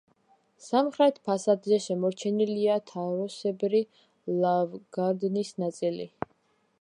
სამხრეთ ფასადზე შემორჩენილია თაროსებრი ლავგარდნის ნაწილი.